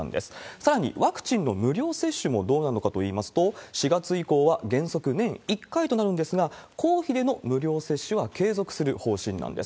さらに、ワクチンの無料接種もどうなのかといいますと、４月以降は原則年１回となるんですが、公費での無料接種は継続する方針なんです。